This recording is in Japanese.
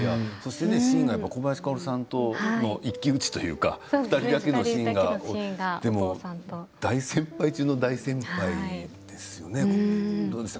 小林薫さんとの一騎打ちというか２人だけのシーンがあって大先輩中の大先輩ですよねどうでした？